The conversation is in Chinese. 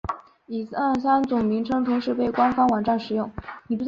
以上三种名称同时被官方网站使用。